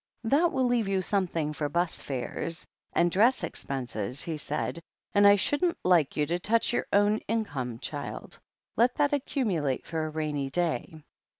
"That will leave you something for 'bus fdles, and dress expenses," he said. "And I Wouldn't like you to touch your own income, child. Let that accumulate for a rainy day."